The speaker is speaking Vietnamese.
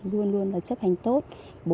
luôn luôn là chấp hành tốt